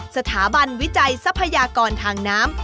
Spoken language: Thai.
สถาบันวิจัยทรัพยากรทางน้ำ